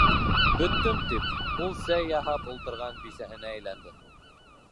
Бөттөм тип, - ул сәй яһап ултырған бисәһенә әйләнде.